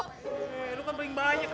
hei lu kambing banyak